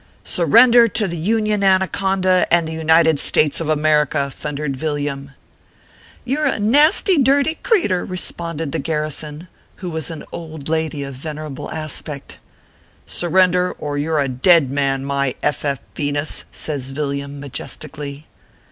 " Surrender to the Union Anaconda and the United States of America/ thundered Yilliam. " You re a nasty, dirty creetur," responded the garrison, who was an old lady of venerable aspect. " Surrender, or you re a dead man, my F. F. Venus," says Villiam, majestically.